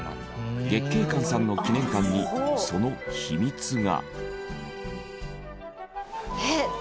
月桂冠さんの記念館にその秘密が。